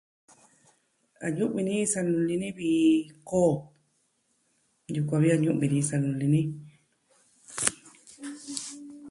A ñu'vi ni sa luli ni vi koo. Yukuan vi a ñu'vi ni sa luli ni.